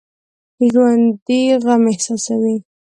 ژوندي غم احساسوي